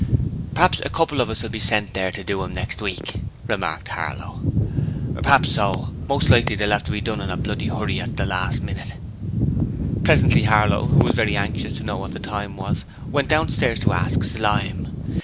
'P'hap's a couple of us will be sent there to do 'em next week,' remarked Harlow. 'P'hap's so. Most likely they'll 'ave to be done in a bloody 'urry at the last minute.' Presently Harlow who was very anxious to know what time it was went downstairs to ask Slyme.